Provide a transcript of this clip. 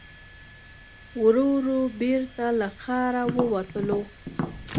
ورو ورو بېرته له ښاره ووتلو.